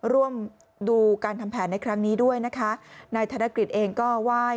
ร่วมดูการทำแผนในครั้งนี้ด้วยนะคะนายธนกฤษเองก็ไหว้